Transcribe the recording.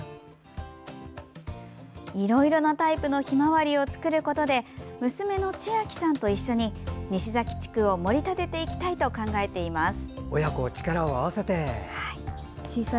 いろいろなタイプのひまわりを作ることで娘のちあきさんと一緒に西岬地区を盛り立てていきたいと考えています。